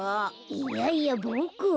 いやいやボクは。